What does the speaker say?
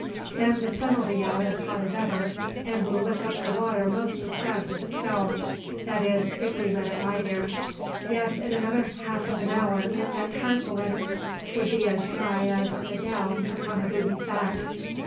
Then the sun 'll be out as hot as ever, an' will lick up the water most as fast as it fell, that is, if we let it lie there. Yes, in another half o' an hour that tarpolin would be as dry as the down upon a booby's back."